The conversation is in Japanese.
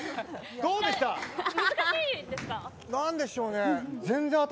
どうでした。